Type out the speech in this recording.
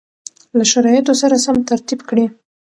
له شرایطو سره سم ترتیب کړي